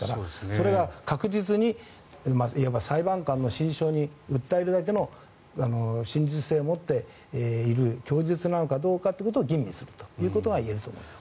それが確実にいわば、裁判官の心象に訴えるだけの真実性を持っている供述なのかどうかを吟味するということは言えると思います。